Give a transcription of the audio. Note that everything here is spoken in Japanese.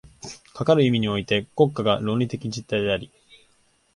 かかる意味において国家が倫理的実体であり、